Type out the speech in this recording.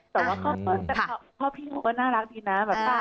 แต่ว่าขอบคุณแต่พ่อพี่ก็น่ารักดีนะ